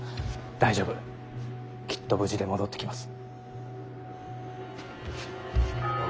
大丈夫きっと無事で戻ってきます。